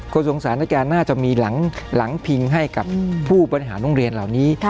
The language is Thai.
คนสงสารนะแกน่าจะมีหลังพิงให้กับผู้บริหารโรงเรียนเหล่านี้